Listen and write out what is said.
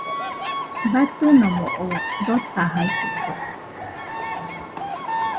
Batɨnomo oo dotajaitɨkue.